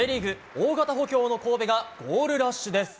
大型補強の神戸がゴールラッシュです。